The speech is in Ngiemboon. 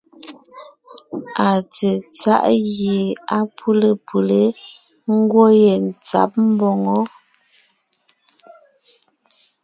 Atsetsáʼ gie á pʉ́le pʉlé, ńgwɔ́ yentsǎb mboŋó.